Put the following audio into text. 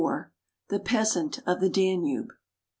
THE PEASANT OF THE DANUBE.